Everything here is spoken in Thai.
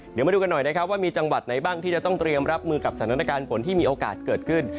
เดี๋ยวมาดูกันหน่อยนะครับว่ามีจังหวัดไหนบ้างที่จะต้องเตรียมรับมือกับสถานการณ์ฝนที่มีโอกาสเกิดขึ้น